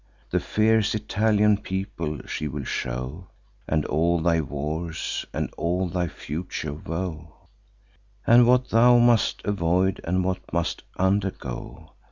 The fierce Italian people she will show, And all thy wars, and all thy future woe, And what thou may'st avoid, and what must undergo.